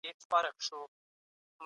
بنسټيز ځواک سياسي سيستم پياوړی کوي.